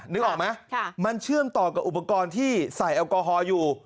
นึกออกไหมมันเชื่อมต่อกับอุปกรณ์ที่ใส่แอลกอฮอล์อยู่